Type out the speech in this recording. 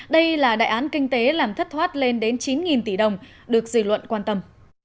đây là đại án kinh tế làm thất thoát lên đến chín tỷ đồng được dự luận quan tâm